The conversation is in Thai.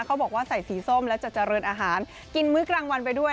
เขาบอกว่าใส่สีส้มแล้วจะเจริญอาหารกินมื้อกลางวันไปด้วย